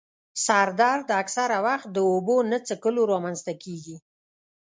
سر درد اکثره وخت د اوبو نه څیښلو رامنځته کېږي.